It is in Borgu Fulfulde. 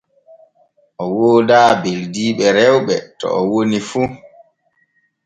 O woodaa beldiiɓe rewɓe to o woni fu.